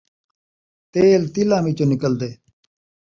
تیل تلاں وچوں نکلدے